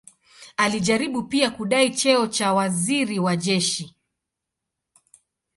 Alijaribu pia kudai cheo cha waziri wa jeshi.